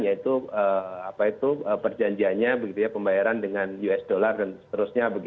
yaitu perjanjiannya pembayaran dengan us dollar dan seterusnya